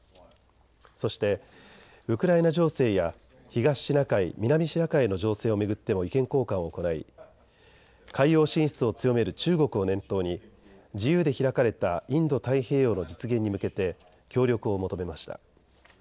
そして、ウクライナ情勢や東シナ海、南シナ海の情勢を巡っても意見交換を行い海洋進出を強める中国を念頭に自由で開かれたインド太平洋の実現に向けて協力を求めました。